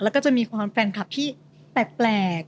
แล้วก็จะมีความแฟนคลับที่แปลก